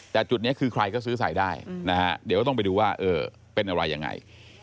แต่จุดนี้คือใครก็ซื้อใส่ได้นะฮะเดี๋ยวก็ต้องไปดูว่าเป็นอะไรยังไง